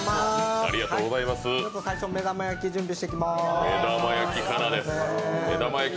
最初、目玉焼き準備していきます。